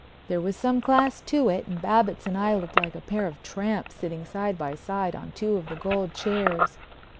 There was some class to it and Babbitts and I looked like a pair of tramps sitting side by side on two of the gold chairs.